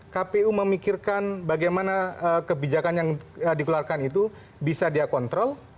kpu memikirkan bagaimana kebijakan yang dikeluarkan itu bisa dia kontrol